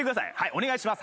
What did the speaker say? お願いします。